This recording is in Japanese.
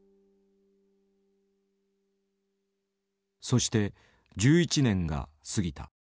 そして１１年が過ぎた。